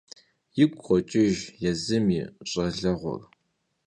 Игу къокӀыж езым и щӀалэгъуэр.